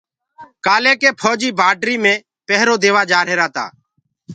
ڪآليِ ڪيِ ڦوجيٚ بآڊري ميِ پيهرو ديوآ جآريهِرآ تآ